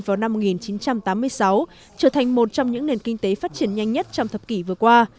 vào năm một nghìn chín trăm tám mươi sáu trở thành một trong những nền kinh tế phát triển nhanh nhất trong thập kỷ vừa qua